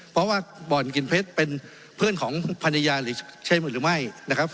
เพราะว่าบ่อนกินเพชรเป็นเพื่อนของภรรยาหรือใช้มือหรือไม่นะครับ